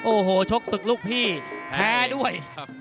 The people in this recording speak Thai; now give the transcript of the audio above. โอ้โหชกศึกลูกพี่แพ้ด้วย